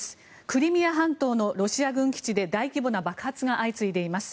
クリミア半島のロシア軍基地で大規模な爆発が相次いでいます。